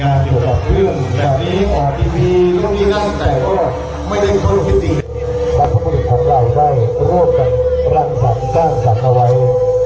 ความสมบูรณ์ของรายได้รวมกับรังสรรค์สร้างสรรค์เอาไว้